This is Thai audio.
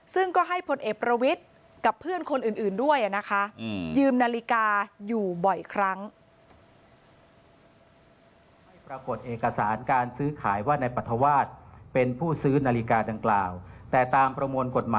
ซึ่งก็ให้พลเอประวิทย์กับเพื่อนคนอื่นด้วยนะคะ